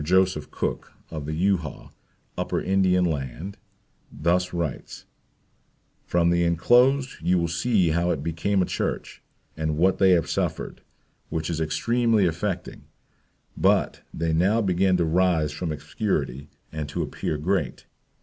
Joseph Cook, of the Euhaw, upper Indian land, thus writes: "From the enclosed you will see how it became a church, and what they have suffered, which is extremely affecting, but they now begin to rise from obscurity and to appear great.